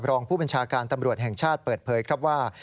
รองผู้บัญชาการตำรวจแห่งชาติเปิดเผยครับว่า